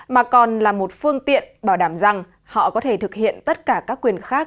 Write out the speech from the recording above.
mà còn là một phương tiện bảo đảm rằng họ có thể thực hiện tất cả các quyền khác